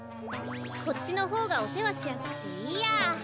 こっちのほうがおせわしやすくていいや。